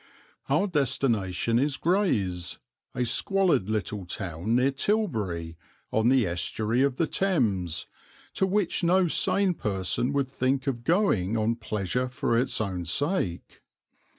Our destination is Grays, a squalid little town near Tilbury, on the estuary of the Thames, to which no sane person would think of going on pleasure for its own sake.